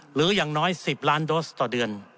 หรืออย่างน้อย๑๐ล้านโดสต่อเดือน